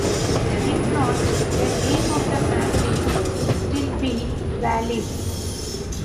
If not, the name of the family would still be valid.